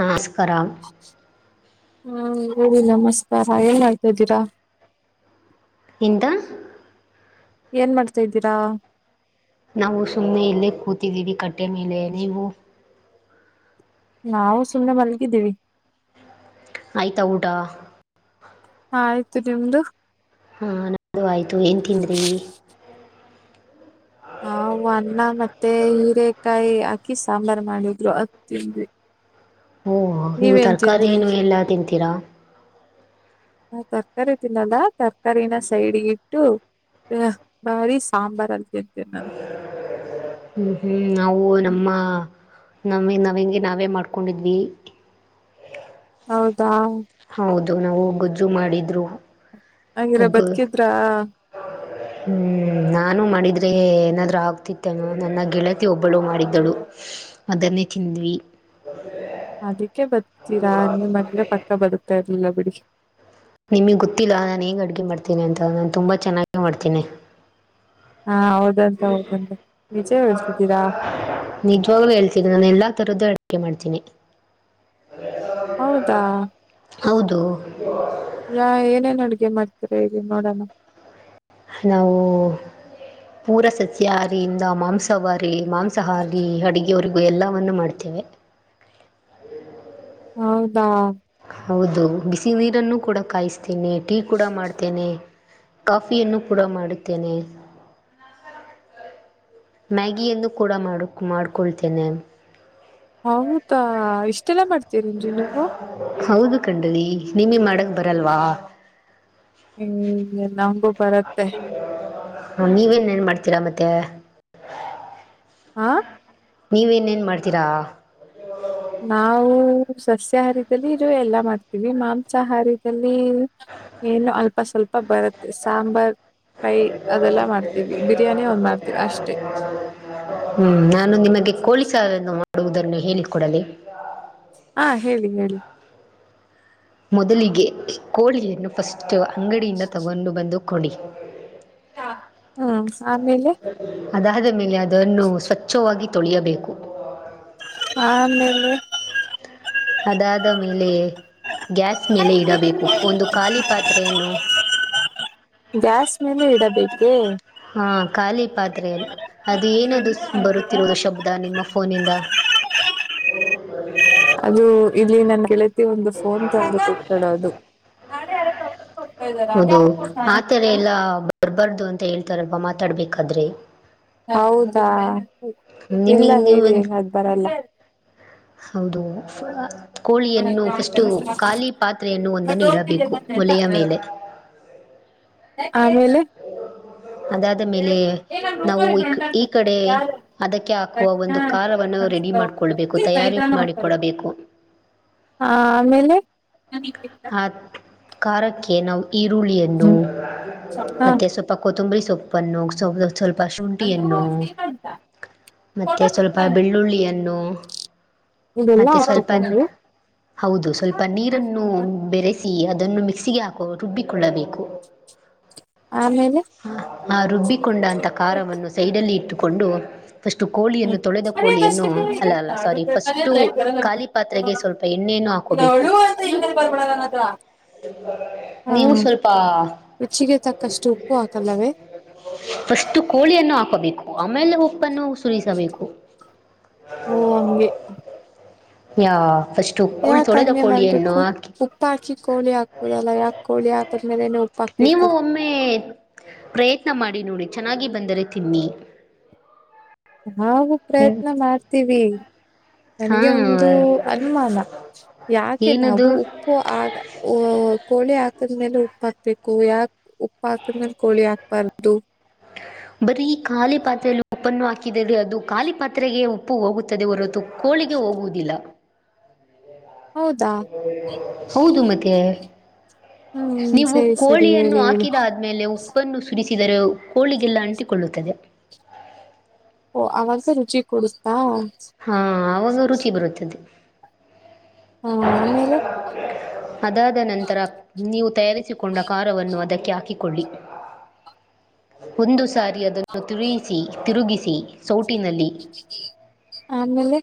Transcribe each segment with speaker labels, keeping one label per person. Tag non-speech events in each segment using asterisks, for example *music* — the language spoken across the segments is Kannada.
Speaker 1: ನಮಸ್ಕಾರ.
Speaker 2: *unintelligible* ಎಲ್ರಿಗೂ ನಮಸ್ಕಾರ ಏನ್ ಮಾಡ್ತಾ ಇದ್ದೀರಾ.
Speaker 1: ಎಂತಾ.
Speaker 2: ಏನ್ ಮಾಡ್ತಾ ಇದ್ದೀರಾ.
Speaker 1: ನಾವು ಸುಮ್ನೆ ಇಲ್ಲೇ ಕೂತಿದ್ದೀವಿ ಕಟ್ಟೆ ಮೇಲೆ ನೀವು.
Speaker 2: ನಾವೂ ಸುಮ್ಮ್ನೆ ಮಲ್ಗಿದಿವಿ.
Speaker 1: ಆಯ್ತಾ ಊಟ.
Speaker 2: ಆಯ್ತು ನಿಮ್ದು.
Speaker 1: ಹಾ ನಮ್ದು ಆಯ್ತು ಏನ್ ತಿಂದ್ರೀ.
Speaker 2: ನಾವು ಅನ್ನ ಮತ್ತೆ ಹೀರೆಕಾಯಿ ಹಾಕಿ ಸಾಂಬಾರ್ ಮಾಡಿದ್ರು ಅದ್ ತಿಂದ್ವಿ.
Speaker 1: ಓ ನೀವು
Speaker 2: ನೀವೇನ್
Speaker 1: ತರಕಾರಿ
Speaker 2: ತಿಂದ್ರಿ
Speaker 1: ಏನು ಎಲ್ಲಾ ತಿಂತೀರಾ.
Speaker 2: ನಾವ್ ತರಕಾರಿ ತಿನ್ನಲ್ಲ ತರಕಾರಿನ ಸೈಡ್ಗಿಟ್ಟು. ಯಾ ಬರೀ ಸಾಂಬಾರಲ್ಲಿ ತಿಂತಿನ್ ನಾನು.
Speaker 1: ಹ್ಮ್ ಹ್ಮ್ ನಾವು
Speaker 2: ನಾನು
Speaker 1: ನಮ್ಮ. *unintelligible* ನಾವೇ ಮಾಡ್ಕೊಂಡಿದ್ವಿ.
Speaker 2: ಹೌದಾ.
Speaker 1: ಹೌದು, ನಾವು ಗೊಜ್ಜು ಮಾಡಿದ್ರು.
Speaker 2: *unintelligible*
Speaker 1: ಗೊ
Speaker 2: ಬದ್ಕಿದ್ರಾ.
Speaker 1: ಹ್ಮ್ ನಾನು ಮಾಡಿದ್ರೆ ಏನಾದ್ರು ಅಗ್ತಿತ್ತೇನೋ ನನ್ನ ಗೆಳತಿ ಒಬ್ಬಳು ಮಾಡಿದ್ದಳು. ಅದನ್ನೆ ತಿಂದ್ವಿ. *unintelligible*
Speaker 2: ಅದಕ್ಕೆ *unintelligible* ಪಕ್ಕ ಬದುಕ್ತಾ ಇರ್ಲಿಲ್ಲ ಬಿಡಿ.
Speaker 1: ನಿಮಗ್ ಗೊತ್ತಿಲ್ಲ ನಾನ್ ಹೆಗ್ ಅಡ್ಗೆ ಮಾಡ್ತೀನಿ ಅಂತ ನಾನ್ ತುಂಬಾ ಚೆನ್ನಾಗೆ ಮಾಡ್ತೀನಿ.
Speaker 2: ಹಾ ಹೌದಂತೆ *unintelligible* ನಿಜ ಹೇಳ್ತಿದೀರಾ.
Speaker 1: ನಿಜ್ವಾಗ್ಲೂ ಹೇಳ್ತೀನಿ ನಾನ್ ಎಲ್ಲಾ ತರದ್ದು ಅಡ್ಗೆ ಮಾಡ್ತೀನಿ.
Speaker 2: ಹೌದಾ.
Speaker 1: ಹೌದು.
Speaker 2: ಯಾ ಏನೇನ್ ಅಡುಗೆ ಮಾಡ್ತೀರಾ ಹೇಳಿ ನೋಡೋಣ.
Speaker 1: ನಾವೂ. ಪೂರ ಸಸ್ಯಾಹಾರಿಯಿಂದ ಮಾಂಸವಾರಿ ಮಾಂಸಾಹಾರಿ ಅಡುಗೆವರಿಗೂ ಎಲ್ಲವನ್ನು ಮಾಡ್ತೇವೆ.
Speaker 2: ಹೌದಾ.
Speaker 1: ಹೌದು ಬಿಸಿ ನೀರನ್ನು ಕೂಡ ಕಾಯಿಸ್ತೇನೆ ಟೀ ಕೂಡ ಮಾಡ್ತೇನೆ. ಕಾಫಿಯನ್ನು ಕೂಡ ಮಾಡುತ್ತೇನೆ. ಮ್ಯಾಗಿಯನ್ನು ಕೂಡ ಮಾಡ್ ಮಾಡ್ಕೊಳ್ತಿನ್ ನಾನು.
Speaker 2: ಹೌದಾ.. ಇಷ್ಟೇಲ್ಲ ಮಾಡ್ತೀರೆನ್ರಿ ನೀವು.
Speaker 1: ಹೌದು ಕಣ್ರೀ ನಿಮಿಗ್ ಮಾಡಕ್ ಬರಲ್ವಾ.
Speaker 2: ನಂಗೂ ಬರುತ್ತೆ.
Speaker 1: ನೀವೇನ್ ಏನ್ ಮಾಡ್ತೀರಾ ಮತ್ತೆ.
Speaker 2: ಹಾ.
Speaker 1: ನೀವೇನ್ ಏನ್ ಮಾಡ್ತೀರಾ.
Speaker 2: ನಾವು ಸಸ್ಯಾಹಾರಿದಲ್ಲಿ ಇದು ಎಲ್ಲ ಮಾಡ್ತೀವಿ ಮಾಂಸಾಹಾರಿ. ಎಲ್ಲಿ *unintelligible* ಅಲ್ಪ ಸ್ವಲ್ಪ ಬರುತ್ತೆ ಸಾಂಬಾರ್. ರೈ ಅದೆಲ್ಲ ಮಾಡ್ತೀವಿ ಬಿರಿಯಾನಿ ಒಂದ್ ಮಾಡ್ತೀವಿ ಅಷ್ಟೇ.
Speaker 1: ಹ್ಮ್ ನಾನು ನಿಮಗೆ ಕೋಳಿ ಸಾರನ್ನು ಮಾಡುವುದನ್ನು ಹೇಳಿ ಕೊಡಲೇ
Speaker 2: ಹಾ ಹೇಳಿ ಹೇಳಿ
Speaker 1: ಮೊದಲಿಗೆ ಕೋಳಿಯನ್ನು ಫಸ್ಟು ಅಂಗಡಿಯಿಂದ ತಗೊಂಡು ಬಂದು ಕೊಡಿ
Speaker 2: ಹ್ಮ ಆಮೇಲೆ
Speaker 1: ಅದಾದ ಮೇಲೆ ಅದನ್ನು ಸ್ವಚ್ಛವಾಗಿ ತೊಳಿಯಬೇಕು
Speaker 2: ಆಮೇಲೆ
Speaker 1: ಅದಾದ ಮೇಲೆ ಗ್ಯಾಸ್ ಮೇಲೆ ಇಡಬೇಕು ಒಂದು ಖಾಲಿ ಪಾತ್ರೆಯನ್ನು
Speaker 2: ಗ್ಯಾಸ್ ಮೇಲೆ ಇಡಬೇಕೇ
Speaker 1: ಹಾ ಖಾಲಿ ಪಾತ್ರೆಯಲ್ಲೇ ಅದು ಏನದು ಬರುತ್ತಿರೋದು ಶಬ್ದ ನಿಮ್ಮ ಫೋನಿಂದ
Speaker 2: ಅದು ಇಲ್ಲಿ ನನ್ ಗೆಳತಿ ಒಂದು ಫೋನ್ ತಂದು ಕೊಟ್ಟಳು ಅದು ನಾಳೆ ಯಾರಾದ್ರು ಔಟಿಂಗ್ ಗೇ
Speaker 1: ಹೌದು ಆ
Speaker 2: ಹೋಗತಿದಾರಾ
Speaker 1: ಥರ ಎಲ್ಲ ಬರಬಾರ್ದು ಅಂತ ಹೇಳ್ತಾರಲ್ಲ ಮಾತಾಡ್ಬೇಕಾದ್ರೆ
Speaker 2: ಹೌದಾ
Speaker 1: ನಿಮಗೆ
Speaker 2: ಇಲ್ಲ
Speaker 1: ನೀವು
Speaker 2: ಹೇಳಿ ಅದ್ ಬರಲ್ಲ
Speaker 1: ಹೌದು ಕೋಳಿಯನ್ನು ಫಸ್ಟು ಖಾಲಿ ಪಾತ್ರೆಯನ್ನು ಒಂದನ್ನು ಇಡಬೇಕು ಒಲೆಯ ಮೇಲೆ
Speaker 2: ಆಮೇಲೆ
Speaker 1: ಅದಾದ ಮೇಲೆ ನಾವು ಈ ಕಡೆ ಅದಕ್ಕೆ ಹಾಕುವ ಒಂದು ಖಾರವನ್ನು ರೆಡಿ ಮಾಡಕೋ ಮಾಡಕೊಳ್ಬೇಕು ತಯಾರಿ ಮಾಡಿ
Speaker 2: ಹಾ ಆಮೇಲೆ
Speaker 1: ಖಾರಕ್ಕೆ ನಾವು ಈರುಳ್ಳಿಯನ್ನು ಮತ್ತೆ ಸೊಪ್ ಪ ಕೊತಂಬರಿ ಸೊಪ್ಪನ್ನು ಸೊ ಸೊ ಸ್ವಲ್ಪ ಸ್ವಲ್ಪ ಶುಂಠಿಯನ್ನು ಮತ್ತೆ ಸ್ವಲ್ಪ ಬೆಳ್ಳುಳ್ಳಿಯನ್ನು
Speaker 2: ಇದೆಲ್ಲ
Speaker 1: ಮತ್ತೆ ಸ್ವಲ್ಪನ್
Speaker 2: ಹಾಕ್ಬೇಕೇನ್ರಿ
Speaker 1: ಹೌದು ಸ್ವಲ್ಪ ನೀರನ್ನು ಬೆರೆಸಿ ಅದನ್ನು ಮಿಕ್ಸಿಗೆ ಹಾಕೋ ಬಿಟ್ಟು ರುಬ್ಬಿಕೊಳ್ಳಬೇಕು
Speaker 2: ಆಮೇಲೆ
Speaker 1: ಆ ರುಬ್ಬಿಕೊಂಡ ಅಂಥ ಖಾರವನ್ನು ಸೈಡಲ್ಲಿ ಇಟ್ಟುಕೊಂಡು ಫಸ್ಟು ಕೋಳಿಯನ್ನು ತೊಳೆದ
Speaker 2: ಅದೇ
Speaker 1: ಕೋಳಿಯನ್ನು
Speaker 2: ಕಷ್ಟಕ್ಕೆ
Speaker 1: ಅಲ್ಲಲ್ಲ ಸಾರಿ ಫಸ್ಟು
Speaker 2: ಬರಲ್ಲ
Speaker 1: ಖಾಲಿ ಪಾತ್ರೆಗೆ ಸ್ವಲ್ಪ ಎಣ್ಣೆನು ಹಾಕ್
Speaker 2: *unintelligible* ಹಾ
Speaker 1: ನೀವು ಸಲ್ಪಾ
Speaker 2: ರುಚಿಗೆ ತಕ್ಕಷ್ಟು ಉಪ್ಪು ಹಾಕಲ್ಲವೇ
Speaker 1: ಫಸ್ಟ್ ಕೋಳಿಯನ್ನು ಹಾಕೋಬೇಕು ಆಮೇಲೆ ಉಪ್ಪನ್ನು ಕುದಿಸಬೇಕು
Speaker 2: ಓ ಹಂಗೆ
Speaker 1: ಫರ್ಸ್ಟ್ ತು ಕೋಳ್ ತೊಳೆದ ಕೋಳಿಯನ್ನು ಹಾಕಿ
Speaker 2: ಉಪ್ಪು ಹಾಕಿ ಕೋಳಿ ಹಾಕ್ಬುದಲ್ಲ ಯಾಕ್ ಕೋಳಿ ಹಾಕದ್ಮೇಲೆನೇ ಉಪ್
Speaker 1: ನೀವು ಒಮ್ಮೇ ಪ್ರಯತ್ನ ಮಾಡಿ ನೋಡಿ ಚೆನ್ನಾಗಿ ಬಂದರೆ ತಿನ್ನಿ
Speaker 2: ನಾವು
Speaker 1: ಹ್ಮ್
Speaker 2: ಪ್ರಯತ್ನ ಮಾಡ್ತೀವಿ
Speaker 1: ಹಾ
Speaker 2: ನನಗೆ ಒಂದು ಅನುಮಾನ ಯಾಕೆ ನಾವು
Speaker 1: ಏನದು
Speaker 2: ಉಪ್ ಓ ಆಗ ಓ ಕೋಳಿ ಹಾಕದ್ಮೇಲೆ ಉಪ್ಪಾಕ್ಬೇಕು ಯಾಕ್ ಉಪ್ ಹಾಕದ್ಮೇಲೆ ಕೋಳಿ ಹಾಕ್ಬಾರ್ದು
Speaker 1: ಬರೀ ಖಾಲಿ ಪಾತ್ರೆೆಯಲ್ಲಿ ಉಪ್ಪನ್ನು ಹಾಕಿದರೆ ಅದು ಖಾಲಿ ಪಾತ್ರೆಗೆ ಉಪ್ಪು ಹೋಗುತ್ತದೆ ಹೊರತು ಕೋಳಿಗೆ ಹೋಗುವುದಿಲ್ಲ
Speaker 2: ಹೌದಾ
Speaker 1: ಹೌದು ಮತ್ತೆ
Speaker 2: ಹ್ಮ್
Speaker 1: ನೀವು
Speaker 2: ಸರಿ ಸರಿ
Speaker 1: ಕೋಳಿಯನ್ನು
Speaker 2: ಹೇಳಿ ಹೇಳಿ
Speaker 1: ಹಾಕಿದಾದ್ ಮೇಲೆ ಉಪ್ಪನ್ನು ಸುರಿಸಿದರೆ ಕೋಳಿಗೆಲ್ಲ ಅಂಟಿಕೊಳ್ಳುತ್ತದೆ
Speaker 2: ಓ ಅವಾಗಸ ರುಚಿ ಕೊಡಸ್ತಾ
Speaker 1: ಹಾ ಆವಾಗ ರುಚಿ ಬರುತ್ತದೆ
Speaker 2: ಆಮೇಲೆ
Speaker 1: ಅದಾದ ನಂತರ ನೀವು ತಯಾರಿಸಿಕೊಂಡ ಖಾರವನ್ನು ಅದಕ್ಕೆ ಹಾಕಿಕೊಳ್ಳಿ ಒಂದು ಸಾರಿ ಅದನ್ನು ತಿರುವಿಸಿ ತಿರುಗಿಸಿ ಸೋಟಿನಲ್ಲಿ
Speaker 2: ಆಮೇಲೆ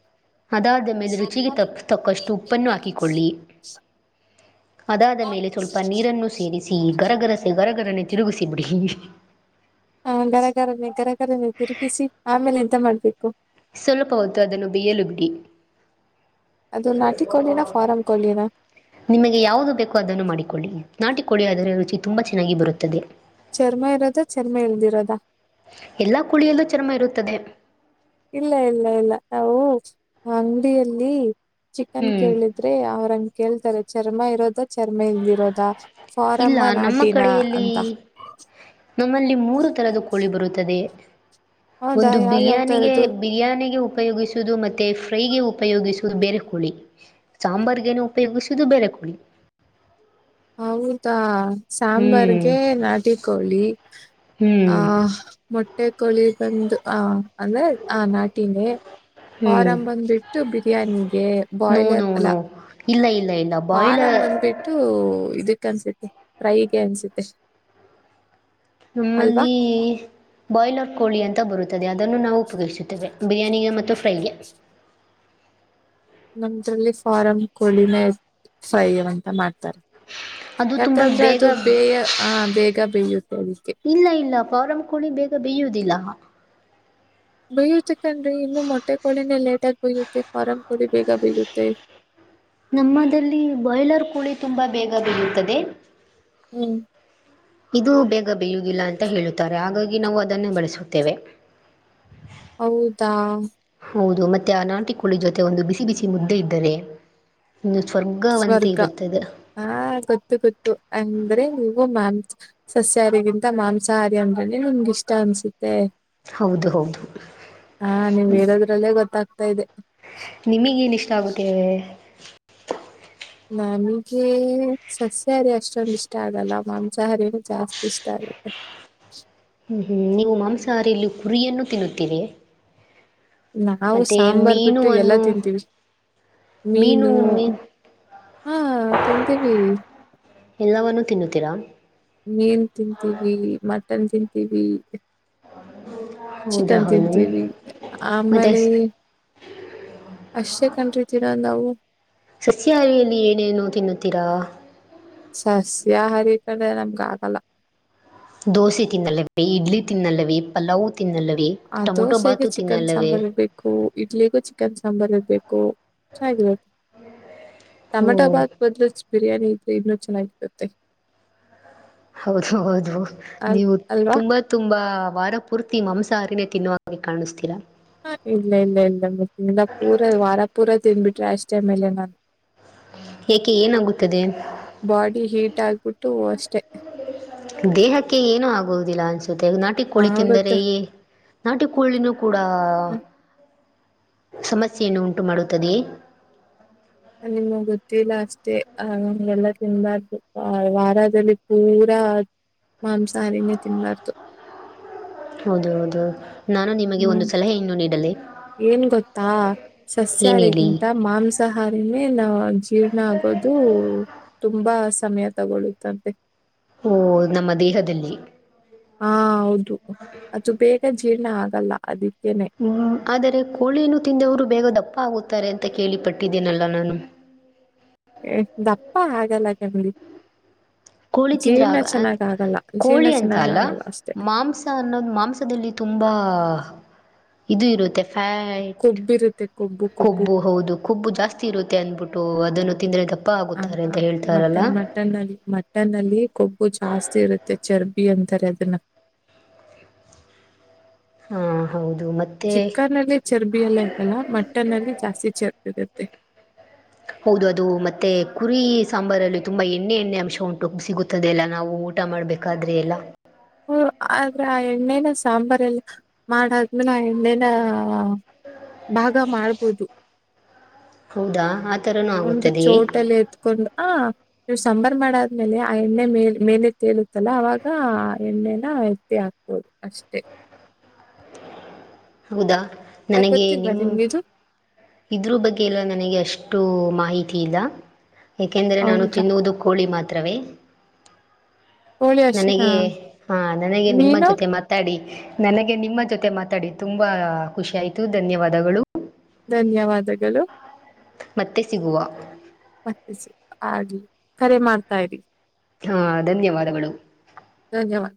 Speaker 1: ಅದಾದ ಮೇಲೆ ರುಚಿಗೆ ತಪ್ಪ ತಕ್ಕಷ್ಟು ಉಪ್ಪನ್ನು ಹಾಕಿಕೊಳ್ಳಿ. ಅದಾದ ಮೇಲೆ ಸ್ವಲ್ಪ ನೀರನ್ನು ಸೇರಿಸಿ ಗರಗರಸೆ ಗರಗರನ್ನ ತಿರುಗಿಸಿ ಬಿಡಿ.
Speaker 2: ಹ ಗರಗರನ್ನ ಗರಗರನ್ನ ತಿರುಗಿಸಿ ಆಮೇಲೆ ಎಂತ ಮಾಡ್ಬೇಕು.
Speaker 1: ಸ್ವಲ್ಪ ಹೊತ್ತು ಅದನ್ನು ಬೇಯ್ಯಲು ಬಿಡಿ.
Speaker 2: ಅದು ನಾಟಿ ಕೊಳ್ಳಿನ ಫಾರಂ ಕೊಳಿನ.
Speaker 1: ನಿಮಗೆ ಯಾವುದು ಬೇಕೋ ಅದನ್ನು ಮಾಡಿಕೊಳ್ಳಿ ನಾಟಿಕೊಳ್ಳಿ ಅದರೆ ರುಚಿ ತುಂಬಾ ಚೆನ್ನಾಗಿ ಬರುತ್ತದೆ.
Speaker 2: ಚರ್ಮ ಇರೋದ ಚರ್ಮ ಇಲ್ದಿರೋದ.
Speaker 1: ಎಲ್ಲ ಕುಳಿಯಲ್ಲೂ ಚರ್ಮ ಇರುತ್ತದೆ.
Speaker 2: ಇಲ್ಲ ಇಲ್ಲ ಇಲ್ಲ ನಾವು ಅಂಗಡಿಯಲ್ಲಿ ಚಿಕನ್
Speaker 1: ಹ್ಮ್
Speaker 2: ಕೇಳಿದ್ದ ರೆ ಅವ್ರಂಗ ಕೇಳ್ತಾರೆ ಚರ್ಮ ಇರೋದ ಚರ್ಮ ಇಲ್ದಿರೋದ.
Speaker 1: ಇಲ್ಲ
Speaker 2: ಫಾರಮ್ಮ
Speaker 1: ನಮ್ಮ
Speaker 2: ನಾಟಿನ
Speaker 1: ಕಡೆಯಲ್ಲಿ
Speaker 2: ಅಂತ
Speaker 1: ನಮ್ಮಲ್ಲಿ ಮೂರು ತರದ ಕೋಳಿ ಬರುತ್ತದೆ
Speaker 2: ಹೌದಾ
Speaker 1: ಒಂದು
Speaker 2: ಯಾವ್ ಯಾವ್
Speaker 1: ಬಿರಿಯಾನಿಗೆ
Speaker 2: ತರದ್ದು
Speaker 1: ಬಿರಿಯಾನಿಗೆ ಉಪಯೋಗಿಸುದು ಮತ್ತು ಫ್ರೈಗೆ ಉಪಯೋಗಿಸುವುದು ಬೇರೆ ಕೋಳಿ. ಸಾಂಬಾರ್ಗೇನ ಉಪಯೋಗಿಸುದು ಬೇರೆ ಕೋಳಿ.
Speaker 2: ಹೌದಾ
Speaker 1: ಹ್ಮ್
Speaker 2: ಸಾಂಬಾರ್ಗೆ ನಾಟ ಕೋಳಿ. ಆ
Speaker 1: ಹ್ಮ್
Speaker 2: ಮೊಟ್ಟೆ ಕೊಳಿ ಬಂದ ಆ ಅಂದ್ರೆ ಆ ನಾಟಿನೇ
Speaker 1: ಹ್ಮ್
Speaker 2: ಫಾರಂ ಬಂದ್ಬಿಟ್ಟು ಬಿರಿಯಾನಿಗೆ
Speaker 1: ನೋ ನೋ ನೋ ಇಲ್ಲ ಇಲ್ಲ ಇಲ್ಲ.
Speaker 2: ಆರಮ್
Speaker 1: ಬಾಯ್ಲರ್
Speaker 2: ಬಂದ್ಬಿಟ್ಟು ಇದಕ್ ಅನ್ಸತ್ತೆ ಫ್ರೈಗೆ ಅನ್ಸತ್ತೆ.
Speaker 1: ನಮ್ಮಲ್ಲಿ ಬಾಯ್ಲರ್ ಕೋಳಿ ಅಂತ ಬರುತ್ತದೆ ಅದನ್ನು ನಾವು ಉಪಯೋಗಿಸುತ್ತೇವೆ. ಬಿರಿಯಾನಿಗೆ ಮತ್ತು ಫ್ರೈಗೆ.
Speaker 2: ನಮ್ರಲ್ಲಿ ಫಾರಂ ಕೋಳಿನೇ ಫೈ ಅಂತ ಮಾಡ್ತಾರೆ.
Speaker 1: ಅದು ತುಂಬ
Speaker 2: ಯಾಕಂದ್ರೆ
Speaker 1: ಬೇಗ
Speaker 2: ಅದು ಬೇಯ ಆ ಬೇಗ ಬೇಯುತ್ತೆ ಅದಕ್ಕೆ.
Speaker 1: ಇಲ್ಲ ಇಲ್ಲ ಫಾರಂ ಕೋಳಿ ಬೇಗ ಬೇಯ್ಯುದಿಲ್ಲ.
Speaker 2: ಬಯ್ಯತಕ್ಕನ್ ಇನ್ನು ಮೊಟ್ಟೆ ಕೋಳಿನೇ ಲೇಟ್ ಆಗಿ ಬಯುತ್ತೆ ಫಾರಂ ಕೋಳಿ ಬೇಗ ಬಯುತ್ತೆ.
Speaker 1: ನಮ್ಮದಲ್ಲಿ ಬಾಯ್ಲರ್ ಕೂಳಿ ತುಂಬಾ ಬೇಗ ಬೆಯುತ್ತದೆ.
Speaker 2: ಹ್ಮ
Speaker 1: ಇದು ಬೇಗ ಬೇೆಯುದಿಲ್ಲ ಅಂತ ಹೇಳುತ್ತಾರೆ ಹಾಗಾಗಿ ನಾವು ಅದನ್ನ ಬಳಸುತ್ತೇವೆ.
Speaker 2: ಹೌದಾ.
Speaker 1: ಹೌದು ಮತ್ತೆ ಆ ನಾಟಿಕಳಿ ಜೊತೆ ಒಂದು ಬಿಸಿ ಬಿಸಿ ಮುದ್ದೆ ಇದ್ದರೆ ಸ್ವರ್ಗವಂತ
Speaker 2: ಸ್ವರ್ಗ
Speaker 1: ಇರುತ್ತದ.
Speaker 2: ಹಾ ಗೊತ್ತು ಗೊತ್ತು ಅಂದ್ರೆ ಇವು ಮಾಂಸ ಸಸ್ಯಾಹಾರಿಗಿಂತ ಮಾಂಸಾಹಾರಿ ಅಂದ್ರನೆ ನಿಮ್ಗಿಷ್ಟ ಅನ್ಸುತ್ತೆ.
Speaker 1: ಹೌದು ಹೌದು
Speaker 2: ಹಾ ನಿವ ಹೇಳೋದ್ರಲ್ಲೇ ಗೊತ್ತಾಗ್ತಾ ಇದೆ.
Speaker 1: ನಿಮಗ ಏನ ಇಷ್ಟ ಆಗುತ್ತೇ.
Speaker 2: ನಮಗೆ ಸಸ್ಯಾಹಾರಿ ಅಷ್ಟೊಂದು ಇಷ್ಟ ಆಗಲ್ಲ ಮಾಂಸಾಹಾರ ಜಾಸ್ತಿ ಇಷ್ಟ ಆಗುತ್ತೆ.
Speaker 1: ಹ್ಮ ಹ್ಮ ನೀವು ಮಾಂಸಾಹಾರಿಯಲ್ಲಿ ಕುರಿಯನ್ನು ತಿನ್ನುತ್ತರೆ.
Speaker 2: ನಾವು ಸಾಂಬಾರ್ ಬಿಟ್ಟು ಎಲ್ಲಾ
Speaker 1: ಮೀನುವನ್ನು
Speaker 2: ತಿಂತೀವಿ. ಮೀನು ಹಾ ತಿಂತೀವಿ.
Speaker 1: ಎಲ್ಲವನ್ನು ತಿನ್ನುತ್ತೀರಾ.
Speaker 2: ಮೀನು ತಿಂತೀವಿ ಮಟನ್ ತಿಂತೀವಿ
Speaker 1: ಹೌದಾ
Speaker 2: ಚಿಕನ್
Speaker 1: ಹೌದು
Speaker 2: ತಿಂತೀವಿ
Speaker 1: ಮತ್ತೆ
Speaker 2: ಆಮೇಲೆ ಅಷ್ಟೇ ಕಂಡರತೀರಾ ನಾವು
Speaker 1: ಸಸ್ಯಾಹಾರಿಯಲ್ಲಿ ಏನೇನು ತಿನ್ನುತ್ತೀರಾ
Speaker 2: ಸಸ್ಯಾಹಾರಿ ಕಡೆ ನಮ್ಗ ಆಗಲ್ಲ
Speaker 1: ದೋಸೆ ತಿನ್ನಲ್ಲ ಇಡ್ಲಿ ತಿನ್ನಲ್ಲವ ಪಲಾವು್ ತಿನ್ನಲ್ಲವ
Speaker 2: ಆ ದೋಸೆಗೆ ಚಿಕನ್ ಸಾಂಬಾರ್ ಇರ್ಬೇಕು ಇಡ್ಲಿಗೂ ಚಿಕನ್ ಸಾಂಬಾರ್ ಇರ್ಬೇಕು ಚೆನ್ನಾಗಿರುತ್ತೆ
Speaker 1: ಓ
Speaker 2: ಟಮಟಾಬಾದ್ ಬದ್ಲು ಬಿರಿಯಾನಿ ಇದ್ರೆ ಇನ್ನುೂ ಚೆನ್ನಾಗಿರುತ್ತೆ
Speaker 1: ಹೌದು ಹೌದು
Speaker 2: ಅಲ್
Speaker 1: ನೀವು
Speaker 2: ಅಲ್ವಾ
Speaker 1: ತುಂಬಾ ತುಂಬಾ ವಾರ ಪೂರ್ತಿ ಮಾಂಸಾಹಾರಿನೆ ತಿನ್ನುವ ಹಾಗೆ ಕಾಣಿಸ್ತೀರಾ
Speaker 2: ಹ ಇಲ್ಲ ಇಲ್ಲ ಇಲ್ಲ ಮಿಂದ ಪೂರ ವಾರ ಪೂರ ತಿದನ್ಬಿಟ್ರೆ ಅಷ್ಟೇ ಮೇಲೆ ನಾನು
Speaker 1: ಏಕೆ ಏನಾಗುತ್ತದೆ
Speaker 2: ಬಾಡಿ ಹೀಟ್ ಆಗ್ಬಿಟ್ಟು ಅಷ್ಟೆ
Speaker 1: ದೇಹಕ್ಕೆ ಏನು ಆಗುವುದಿಲ್ಲ ಅನ್ಸುತ್ತೆ ನಾಟಿ ಕೋಳಿ
Speaker 2: ಆಗುತ್ತೆ
Speaker 1: ತಿಂದರೆೇ ನಾಟಿ ಕೋಳಿನ ಕೂಡ ಸಮಸ್ಯೆಯನ್ನು ಉಂಟು ಮಾಡುತ್ತದೆೆಯೇ
Speaker 2: ನಿಮಗ್ ಗೊತ್ತಿಲ್ಲ ಅಷ್ಟೇ ಅ ಹಗೆಲ್ಲ ತಿನ್ಬಾರ್ದು ವಾರದಲ್ಲಿ ಪೂರಾ ಮಾಂಸಾಹಾರಿನೇ ತಿನ್ಬಾರ್ದು
Speaker 1: ಹೌದು ಹೌದು ನಾನು ನಿಮಗೆ
Speaker 2: ಹ್ಮ್
Speaker 1: ಒಂದು ಸಲಹೆ ಅನ್ನು ನೀಡಲಿ
Speaker 2: ಏನ್ ಗೊತ್ತಾ ಸಸ್ಯಾರಿಗಿಂತ ಮಾಂಸಾಹಾರಿನೇ ನಾ ಜೀರ್ಣ ಆಗೋದು ತುಂಬಾ ಸಮಯ ತಗೊಳ್ಳುತ್ತಂತೆ
Speaker 1: ಓ ನಮ್ಮ ದೇಹದಲ್ಲಿ
Speaker 2: ಹಾ ಹೌದು ಅದು ಬೇಗ ಜೀರ್ಣ ಆಗಲ್ಲ ಅದಕ್ಕೇನೆ
Speaker 1: ಆದರೆ ಕೋಳಿಯನು ತಿಂದವರು ಬೇಗ ದಪ್ಪ ಆಗುತ್ತಾರೆ ಅಂತ ಕೇಳಿಪಟ್ಟಿದ್ದೇನಲ್ಲ ನಾನು
Speaker 2: ದಪ್ಪ ಆಗಗಲ್ಲ ಗಂಗಡಿ
Speaker 1: ಕೋಳಿ ತಿಂದ್ರ ಆಗ ಅ
Speaker 2: ಆಗಲ್ಲ ಜೀರ್ಣ
Speaker 1: ಕೋಳಿ
Speaker 2: ಚೆನ್ನಾಗ್
Speaker 1: ಅಂತಲ್ಲ
Speaker 2: ಆಗಲ್ಲ ಅಷ್ಟೇ
Speaker 1: ಮಾಂಸ ಅನ್ನೋದು ಮಾಂಸದಲ್ಲಿ ತುಂಬಾ ಇದು ಇರುತ್ತೆ ಫ್ಯಾಟ್
Speaker 2: ಬಿರುತ್ತೆ ಕೊಬ್ಬು
Speaker 1: ಕೊಬ್ಬು ಹೌದು ಕೊಬ್ಬು ಜಾಸ್ತಿ ಇರುತ್ತೆ ಅಂದ್ಬಿಟ್ಟು ಅದನ್ನು ತಿಂದರೆ ದಪ್ಪ ಆಗುತ್ತಾರೆ ಅಂತ ಹೇಳ್ತಾರಲ್ಲ
Speaker 2: ಮಟನ್ಲ್ಲಿ ಮಟನ್ ಅಲ್ಲಿ ಕೊಬ್ಬು ಜಾಸ್ತಿ ಇರುತ್ತೆ ಚರ್ಬಿ ಅಂತಾರೆ ಅದನ್ನ
Speaker 1: ಹಾ ಹೌದು ಮ
Speaker 2: ಚಿಿಕನ್ ಅಲ್ಲಿ ಚರ್ಬಿ ಎಲ್ಲ ಇರಲ್ಲ ಮಟನ್ ಅಲ್ಲಿ ಜಾಸ್ತಿ ಚರ್ಬಿ ಇರುತ್ತೆ
Speaker 1: ಹೌದು ಅದು ಮತ್ತೆ ಕುರಿ ಸಾಂಬಾರಲ್ಲಿ ತುಂಬ ಎಣ್ಣೆ ಎಣ್ಣೆ ಅಂಶ ಉಂಟು ಸಿಗುತ್ತದೆ ಎಲ್ಲ ನಾವು ಊಟ ಮಾಡ್ಬೇಕಾದ್ರೆ ಎಲ್ಲ
Speaker 2: ಹ ಆದ್ರೆ ಆ ಎಣ್ಣೆನ ಸಾಂಬಾರ್ ಎಲ್ಲ ಮಾಡಾದ್ಮೇಲೆ ಆ ಎಣ್ಣೆನ ಭಾಗ ಮಾಡ್ಬೋದು
Speaker 1: ಹೌದಾ ಆ ಥರನೂ
Speaker 2: ಒಂದು
Speaker 1: ಆಗುತ್ತದೆಯೇ
Speaker 2: ಚೋಟಲ್ಲಿ ಎತ್ಕೊಂಡು ಆ ನೀವು ಸಾಂಬಾರು ಮಾಡಾದ್ಮೇಲೆ ಆ ಎಣ್ಣೆ ಮೇಲ್ ಮೇಲೆ ತೇಲುತ್ತಲ್ಲ ಅವಾಗ ಎಣ್ಣೆನ ಎತ್ತಿ ಆಗ್ ಹೌದು ಅಷ್ಟೇ
Speaker 1: ಹೌದಾ
Speaker 2: ಯಾಕ್
Speaker 1: ನನಗೆ
Speaker 2: ಗೊತ್ತಿಲ್ವಾ
Speaker 1: ನಿಮ್ಮ
Speaker 2: ನಿಮ್ಗಿದು
Speaker 1: ಇದ್ರ ಬಗ್ಗೆ ಎಲ್ಲ ನನಗೆ ಅಷ್ಟು ಮಾಹಿತಿ ಇಲ್ಲ ಯಾಕೆಂದ್ರೆ ನಾನು
Speaker 2: ಹೌದಾ
Speaker 1: ತಿನ್ನುವುದು ಕೋಳಿ ಮಾತ್ರವೇ
Speaker 2: ಕೋಳಿ ಅರ್ಶಿನ
Speaker 1: ನನಗೆ ಹಾ ನನಗೆ ನಿಮ್ಮ
Speaker 2: ಮೀನು
Speaker 1: ಜೊತೆ ಮತ್ತೆ ಮಾತಾಡಿ ನನಗೆ ನಿಮ್ಮ ಜೊತೆ ಮಾತಾಡಿ ತುಂಬಾ ಖುಷಿ ಆಯ್ತು ಧನ್ಯವಾದಗಳು
Speaker 2: ಧನ್ಯವಾದಗಳು.
Speaker 1: ಮತ್ತೆ ಸಿಗುವ.
Speaker 2: ಮತ್ತೆ ಆಗ್ಲಿ ಕರೆ ಮಾಡ್ತಾ ಇರಿ.
Speaker 1: ಹಾ ಧನ್ಯವಾದಗಳು.
Speaker 2: ಧನ್ಯವಾದ.